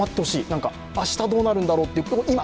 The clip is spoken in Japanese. なんか明日どうなるんだろうって、今。